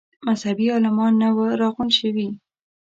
مذهبي عالمان نه وه راغونډ شوي.